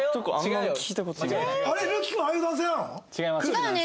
違うよね。